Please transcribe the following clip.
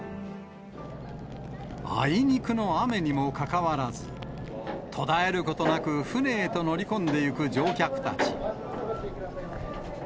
あいにくの雨にもかかわらず、途絶えることなく船へと乗り込んでいく乗客たち。